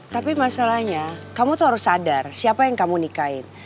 tapi masalahnya kamu tuh harus sadar siapa yang kamu nikahin